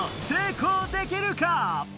成功できるか？